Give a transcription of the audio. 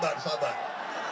berhutu berhutu berhutu